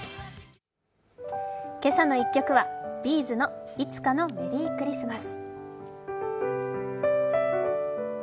「けさの１曲」はＢ’ｚの「いつかのメリークリスマス」。